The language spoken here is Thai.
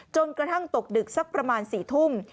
จนกระทั่งตกดึกสักประมาณ๔ทุ่ม